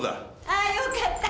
ああよかった。